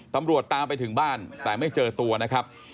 ตามไปถึงบ้านแต่ไม่เจอตัวนะครับ